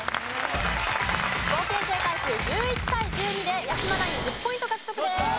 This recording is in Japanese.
合計正解数１１対１２で八嶋ナイン１０ポイント獲得です。